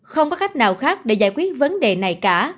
không có cách nào khác để giải quyết vấn đề này cả